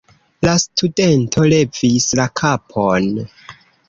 La studento levis la kapon.